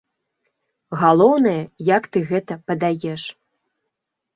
Галоўнае, як ты гэта падаеш.